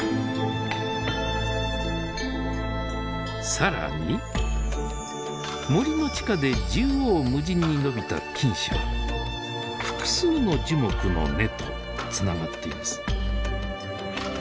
さらに森の地下で縦横無尽に伸びた菌糸は複数の樹木の根とつながっています。